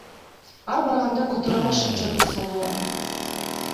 Ар барганда көтөрө алышымча туз салып алам.